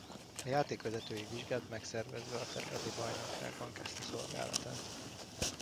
A játékvezetői vizsgát megszerezve a területi bajnokságokban kezdte szolgálatát.